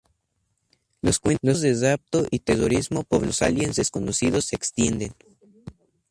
Los cuentos de rapto y terrorismo por los aliens desconocidos se extienden.